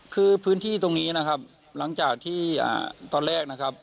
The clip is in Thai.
คือพื้นที่ตรงนี้นะครับหลังจากที่ตอนแรกนะครับ